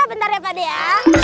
bentar ya pak d ya